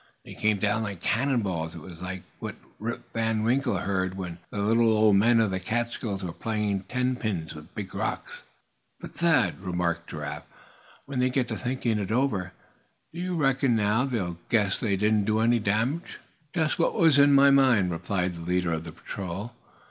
They came down like cannon balls. It was like what Rip Van Winkle heard, when the little old men of the Catskills were playing ten pins with big rocks." "But Thad," remarked Giraffe, "when they get to thinking it over, don't you reckon now they'll guess they didn't do any damage?" "Just what was in my mind," replied the leader of the patrol.